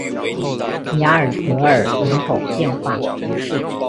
雅尔德尔人口变化图示